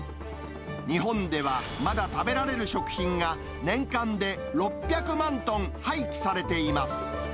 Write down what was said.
日本ではまだ食べられる食品が、年間で６００万トン廃棄されています。